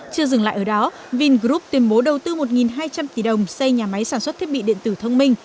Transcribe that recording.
chưa dừng lại ở đó vingroup tuyên bố đầu tư một hai trăm linh tỷ đồng xây nhà máy sản xuất thiết bị điện tử thông minh